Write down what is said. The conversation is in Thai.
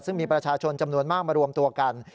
ซึ่งมีประชาชนจำนวนมากมารวมตัวกัน